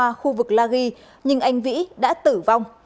trong phòng trọ thuộc la ghi nhưng anh vĩ đã tử vong